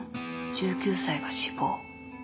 １９歳が死亡。